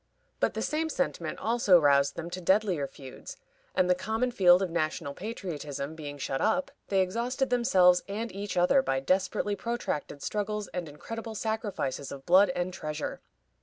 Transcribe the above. But the same sentiment also roused them to deadlier feuds, and the common field of national patriotism being shut up, they exhausted themselves and each other by desperately protracted struggles and incredible sacrifices of blood and treasure.